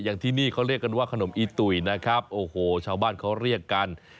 อย่างที่นี่เขาเรียกกันว่าขนมอีตุ๋ยนะครับโอ้โหชาวบ้านเขาเรียกกัน